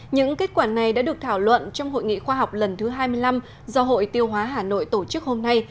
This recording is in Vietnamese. những kết quả này đã được thảo luận trong hội nghị khoa học lần thứ hai mươi năm do hội tiêu hóa hà nội tổ chức hôm nay